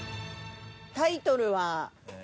タイトルは？